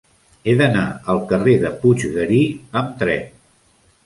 He d'anar al carrer de Puiggarí amb tren.